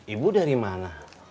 ibu dari mana